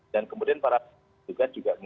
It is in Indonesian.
dan kemudian para pegawai juga mungkin